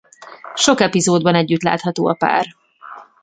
Sok epizódban együtt látható a pár.